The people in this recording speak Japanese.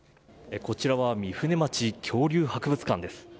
こちらは御船町恐竜博物館です。